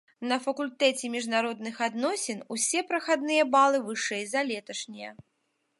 На факультэце міжнародных адносін усе прахадныя балы вышэй за леташнія.